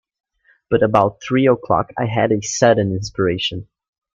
But about three o’clock I had a sudden inspiration.